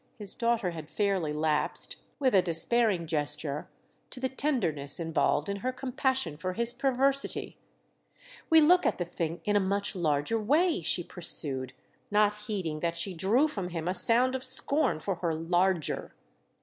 —his daughter had fairly lapsed, with a despairing gesture, to the tenderness involved in her compassion for his perversity. "We look at the thing in a much larger way," she pursued, not heeding that she drew from him a sound of scorn for her "larger."